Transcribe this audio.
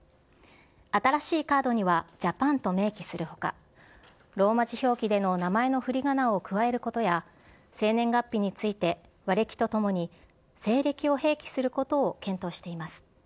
新しいカードにはＪＡＰＡＮと明記する他ローマ字表記での名前のふりがなを加えることや生年月日について和暦とともに西暦を併記することを検討しています。